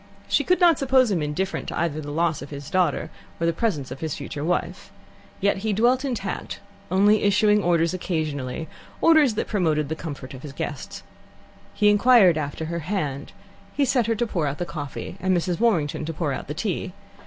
She could not suppose him indifferent either to the loss of his daughter or to the presence of his future wife. Yet he dwelt intact, only issuing orders occasionally orders that promoted the comfort of his guests. He inquired after her hand; he set her to pour out the coffee and Mrs. Warrington to pour out the tea.